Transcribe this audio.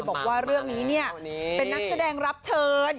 บอกว่าเรื่องนี้เนี่ยเป็นนักแสดงรับเชิญ